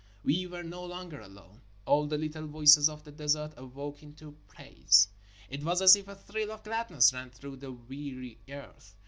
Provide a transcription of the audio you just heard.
We were no longer alone. All the little voices of the desert awoke into praise. It was as if a thrill of gladness ran through the weary earth.